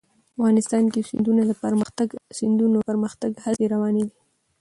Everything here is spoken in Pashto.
افغانستان کې د سیندونه د پرمختګ هڅې روانې دي.